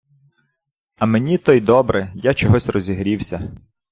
А мені то й добре, я чогось розігрівся.